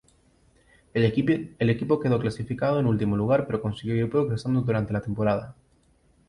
El equipo quedó clasificado en último lugar pero consiguió ir progresando durante la temporada.